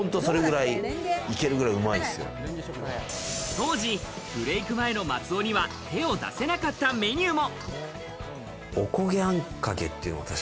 当時、ブレイク前の松尾には手を出さなかったメニューも。